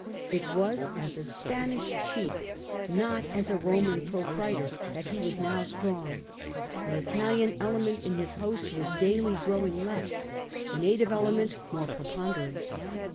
It was as a Spanish chief, not as a Eoman propraetor, that he was now strong ; the Italian element in his host was daily growing less, the native element more preponderant.